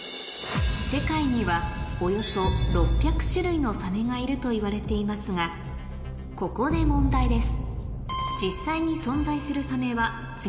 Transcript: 世界にはのサメがいるといわれていますがここで問題です